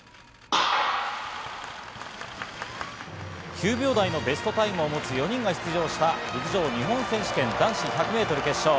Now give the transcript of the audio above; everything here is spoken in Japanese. ９秒台のベストタイムを持つ４人が出場した陸上日本選手権、男子１００ｍ決勝。